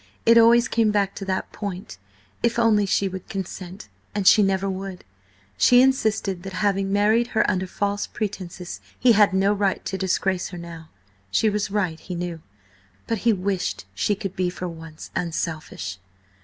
It always came back to that point: if only she would consent. And she never would. She insisted that, having married her under false pretences, he had no right to disgrace her now. She was right, he knew, but he wished she could be for once unselfish.